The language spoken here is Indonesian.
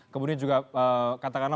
kemudian juga katakanlah